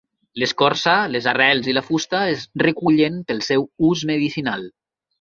L'escorça, les arrels i la fusta es recullen pel seu ús medicinal.